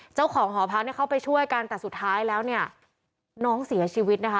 เจ้าของหอพักเนี่ยเข้าไปช่วยกันแต่สุดท้ายแล้วเนี่ยน้องเสียชีวิตนะคะ